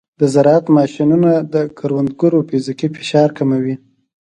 د زراعت ماشینونه د کروندګرو فزیکي فشار کموي.